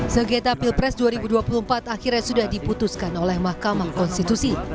sengketa pilpres dua ribu dua puluh empat akhirnya sudah diputuskan oleh mahkamah konstitusi